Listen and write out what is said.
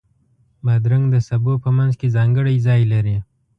بادرنګ د سبو په منځ کې ځانګړی ځای لري.